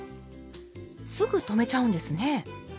すぐ止めちゃうんですね。